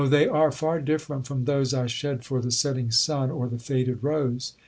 they are far different from those I shed for the setting sun, or the faded rose!